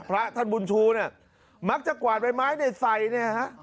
พระท่านบุญชูเนี่ยมักจะกวาดใบไม้เนี่ยใส่เนี่ยฮะ